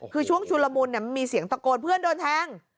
คือช่วงชุลมุนมันมีเสียงตะโกนเพื่อนโดนแทง